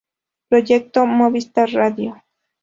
Proyecto: Movistar Radio.